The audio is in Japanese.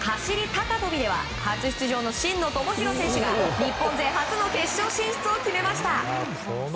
高跳びでは初出場の真野友博選手が日本勢初の決勝進出を決めました。